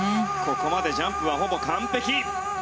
ここまでジャンプはほぼ完璧。